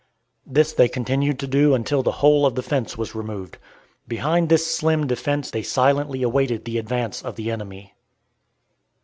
This they continued to do until the whole of the fence was removed. Behind this slim defense they silently awaited the advance of the enemy.